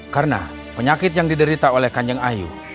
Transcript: karena penyakit yang diderita oleh kanjeng ayu